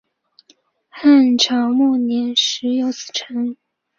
汉朝末年始有此称。